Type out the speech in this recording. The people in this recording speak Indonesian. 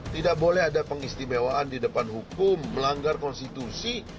tidak boleh ada pengistimewaan di depan hukum melanggar konstitusi